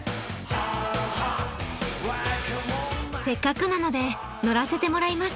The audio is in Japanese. せっかくなので乗らせてもらいます。